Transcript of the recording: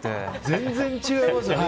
全然違いますよね。